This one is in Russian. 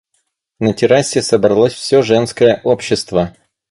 На террасе собралось всё женское общество.